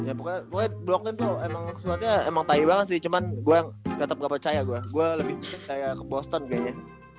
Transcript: emang emang cuman gue gak percaya gua gua lebih kayak boston kayaknya